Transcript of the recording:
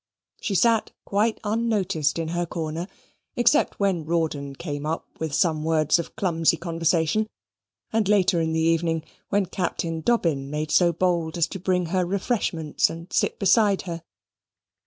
She sat quite unnoticed in her corner, except when Rawdon came up with some words of clumsy conversation: and later in the evening, when Captain Dobbin made so bold as to bring her refreshments and sit beside her.